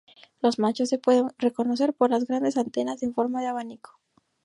Los machos se pueden reconocer por las grandes antenas en forma de abanico.